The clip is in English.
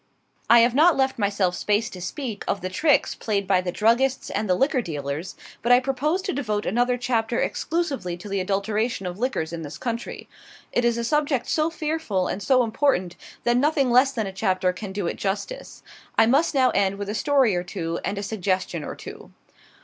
I have not left myself space to speak of the tricks played by the druggists and the liquor dealers; but I propose to devote another chapter exclusively to the adulteration of liquors in this country. It is a subject so fearful and so important that nothing less than a chapter can do it justice. I must now end with a story or two and a suggestion or two.